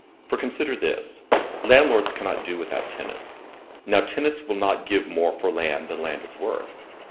For, consider this: landlords cannot do without tenants. Now tenants will not give more for land, than land is worth.